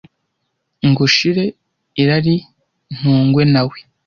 Ngo shire irari ntungwe nawe